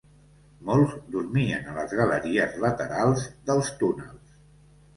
Molts dormien a les galeries laterals dels túnels.